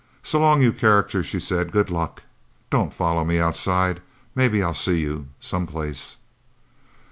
"So long, you characters," she said. "Good luck. Don't follow me outside. Maybe I'll see you, someplace."